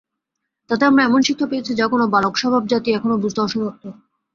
তাতে আমরা এমন শিক্ষা পেয়েছি, যা কোন বালকস্বভাব জাতি এখনও বুঝতে অসমর্থ।